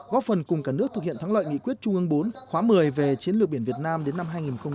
góp phần cùng cả nước thực hiện thắng lợi nghị quyết trung ương bốn khóa một mươi về chiến lược biển việt nam đến năm hai nghìn ba mươi